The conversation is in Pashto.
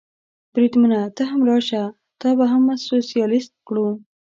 بریدمنه، ته هم راشه، تا به هم سوسیالیست کړو.